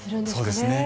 そうですね。